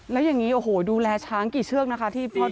แล้วอย่างนี้ดูแลช้างกี่เชือกนะคะที่พ่อดูแล